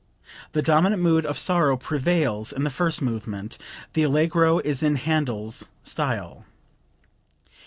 The dominant mood of sorrow prevails in the first movement; the Allegro is in Handel's style.)